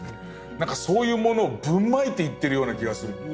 何かそういうものをぶんまいていってるような気がする。